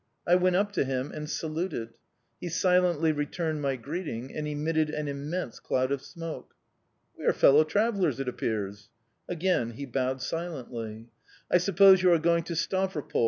I went up to him and saluted. He silently returned my greeting and emitted an immense cloud of smoke. "We are fellow travellers, it appears." Again he bowed silently. "I suppose you are going to Stavropol?"